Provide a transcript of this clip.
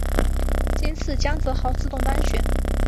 今次江泽濠自动当选。